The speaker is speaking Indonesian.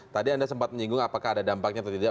tadi anda sempat menyinggung apakah ada dampaknya atau tidak